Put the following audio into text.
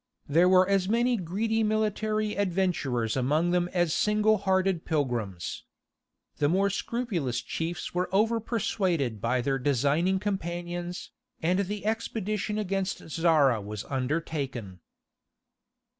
There were as many greedy military adventurers among them as single hearted pilgrims. The more scrupulous chiefs were over persuaded by their designing companions, and the expedition against Zara was undertaken.